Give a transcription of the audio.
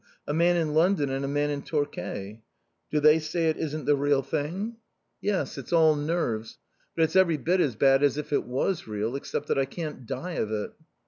A man in London and a man in Torquay." "Do they say it isn't the real thing?" "Yes. It's all nerves. But it's every bit as bad as if it was real, except that I can't die of it."